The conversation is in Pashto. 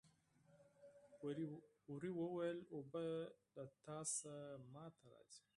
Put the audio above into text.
وري وویل اوبه له تا څخه ما ته راځي.